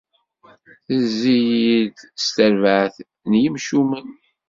Tezzi-yi-d s terbaɛt n yimcumen.